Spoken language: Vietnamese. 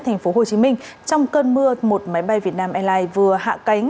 thành phố hồ chí minh trong cơn mưa một máy bay việt nam airlines vừa hạ cánh